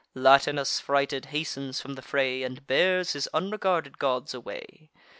Latinus, frighted, hastens from the fray, And bears his unregarded gods away.